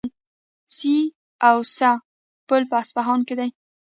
سي او سه پل په اصفهان کې دی.